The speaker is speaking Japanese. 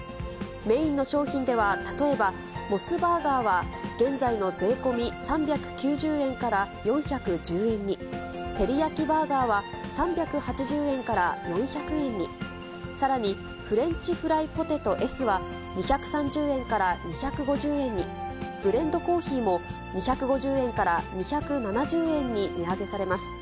メインの商品では、例えばモスバーガーは、現在の税込み３９０円から４１０円に、テリヤキバーガーは３８０円から４００円に、さらにフレンチフライポテトＳは、２３０円から２５０円に、ブレンドコーヒーも２５０円から２７０円に値上げされます。